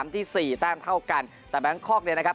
ที่สี่แต้มเท่ากันแต่แบงคอกเนี่ยนะครับ